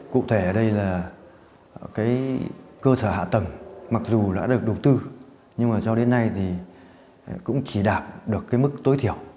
cụ thể ở đây là cái cơ sở hạ tầng mặc dù đã được đầu tư nhưng mà cho đến nay thì cũng chỉ đạt được cái mức tối thiểu